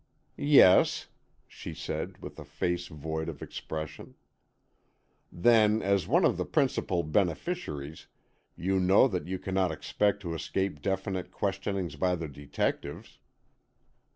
"Yes," she said, with a face void of expression. "Then, as one of the principal beneficiaries, you know that you cannot expect to escape definite questioning by the detectives."